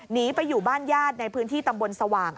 หนีไปอยู่บ้านญาติในพื้นที่ตำบลสว่าง